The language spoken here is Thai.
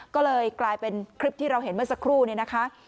ก็เลยกลายเป็นคลิปที่เราเห็นเมื่อสักครู่เนี่ยนะคะ